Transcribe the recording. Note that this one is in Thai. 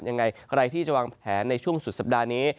ยังไงใครที่จะวางแผนในช่วงสุดสัปดาห์นี้